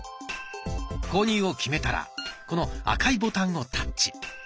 購入を決めたらこの赤いボタンをタッチ。